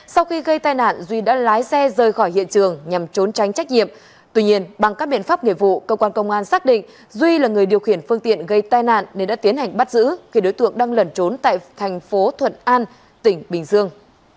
sau khi gây tai nạn duy đã lái xe rời khỏi hiện trường nhằm trốn tránh trách nhiệm tuy nhiên bằng các biện pháp nghề vụ cơ quan công an xác định duy là người điều khiển phương tiện gây tai nạn nên đã tiến hành bắt giữ khi đối tượng đang lẩn trốn tại thành phố thuận an tỉnh bình dương